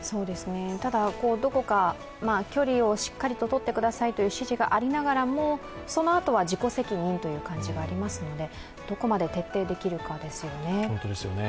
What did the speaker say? ただ、どこか距離をしっかりととってくださいという指示がありながらもそのあとは自己責任という感じがありますのでどこまで徹底できるかですよね。